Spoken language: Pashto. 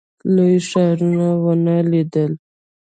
لوی ښارونه ونه لیدل.